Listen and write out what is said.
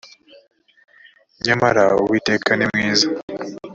nyamara uwiteka nimwiza.